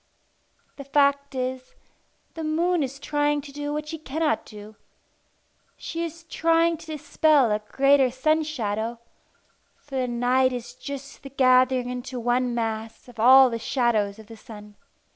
The fact is, the moon is trying to do what she cannot do. She is trying to dispel a great sun shadow for the night is just the gathering into one mass of all the shadows of the sun.